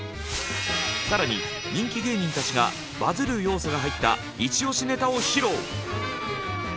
更に人気芸人たちがバズる要素が入ったイチ押しネタを披露！